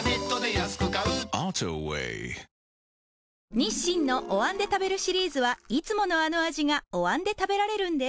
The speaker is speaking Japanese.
日清のお椀で食べるシリーズはいつものあの味がお椀で食べられるんです